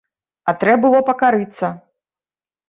А трэ было пакарыцца!